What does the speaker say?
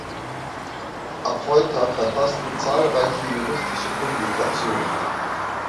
Affolter verfasste zahlreiche juristische Publikationen.